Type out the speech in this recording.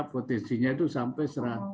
potensinya itu sampai satu ratus delapan puluh